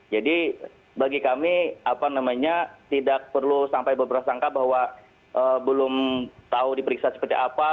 jadi bagi kami apa namanya tidak perlu sampai berberasangka bahwa belum tahu diperiksa seperti apa